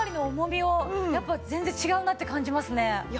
やっぱ全然違うなって感じますね。